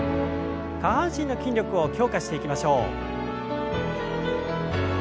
下半身の筋力を強化していきましょう。